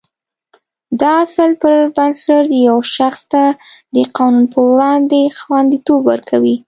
دا اصل پر بنسټ یو شخص ته د قانون په وړاندې خوندیتوب ورکوي.